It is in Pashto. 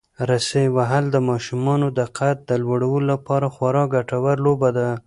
رسۍ وهل د ماشومانو د قد د لوړولو لپاره خورا ګټوره لوبه ده.